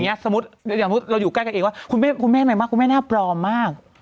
อย่างนี้สมมติเราอยู่ใกล้กันเองว่าคุณแม่ไหนมากคุณแม่หน้าปลอมมาก